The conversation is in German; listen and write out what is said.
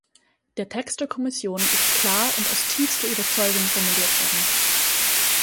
Der Text der Kommission ist klar und aus tiefster Überzeugung formuliert worden.